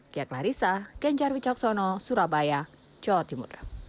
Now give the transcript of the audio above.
kia klarissa genjar wicoksono surabaya jawa timur